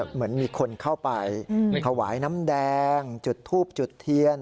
เหมือนมีคนเข้าไปถวายน้ำแดงจุดทูบจุดเทียน